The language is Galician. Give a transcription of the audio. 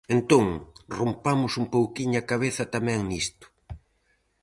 Entón, rompamos un pouquiño a cabeza tamén nisto.